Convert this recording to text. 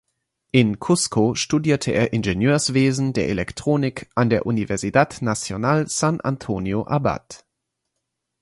In Cusco studierte er Ingenieurswesen der Elektronik an der Universidad Nacional San Antonio Abad.